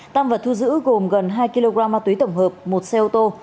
tăng vật thu giữ gồm gần hai kg ma túy tổng hợp một xe ô tô